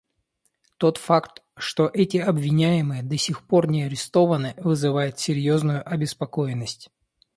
Тот факт, что эти обвиняемые до сих пор не арестованы, вызывает серьезную обеспокоенность.